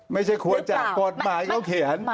ไม่ใช่ควรจะกฎหมายเขาเขียน